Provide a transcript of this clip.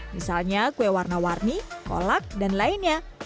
misalnya kue warna warni kolak dan lainnya